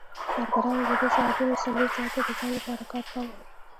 کارګرانو له دې ساعتونو څلور ساعته د ځان لپاره کار کاوه